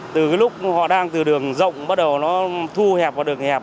từ lúc họ đang từ đường rộng bắt đầu nó thu hẹp vào đường hẹp